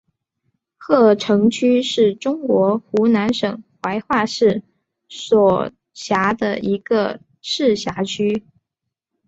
鹤城区是中国湖南省怀化市所辖的一个市辖区。